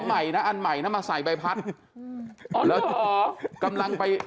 ใช่พี่นุ่มไอ้นี่ทำไม